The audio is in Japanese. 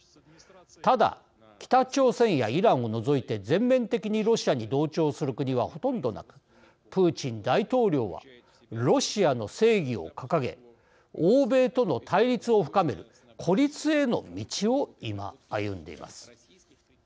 ただ、北朝鮮やイランを除いて全面的にロシアに同調する国はほとんどなく、プーチン大統領はロシアの正義を掲げ欧米との対立を深める孤立への道を今、歩んでいます。